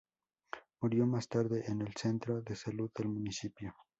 Murió más tarde en el centro de salud del municipio.